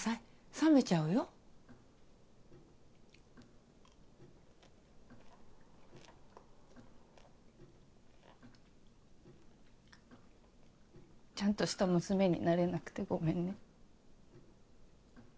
冷めちゃうよ。ちゃんとした娘になれなくてごめんね。